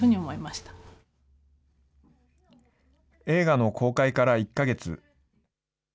映画の公開から１か月。